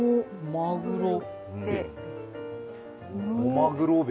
マグロべ。